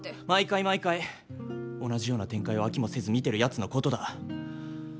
毎回毎回同じような展開を飽きもせず見てるやつのことだ。